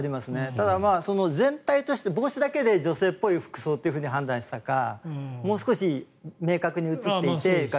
ただ、帽子だけで女性っぽい服装と判断したかもう少し明確に映っていたか